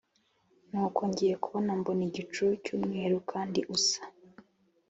nuko ngiye kubona mbona igicu cy umweru kandi usa